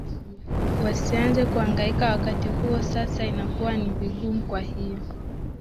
wasianze kuhangaika wakati huo sasa inakuwa ni vugumu kwa hiyo